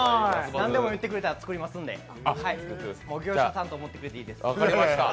何でも言ってくれたら作りますんで業者さんと思ってくれていいです。